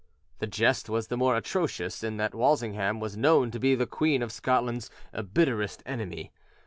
The jest was the more atrocious in that Walsingham was known to be the Queen of Scotland's bitterest enemy.